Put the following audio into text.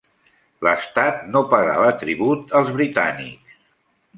L'estat no pagava tribut als britànics.